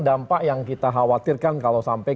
dampak yang kita khawatirkan kalau sampai